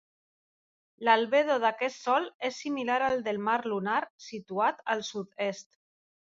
L'albedo d'aquest sòl és similar al del mar lunar situat al sud-est.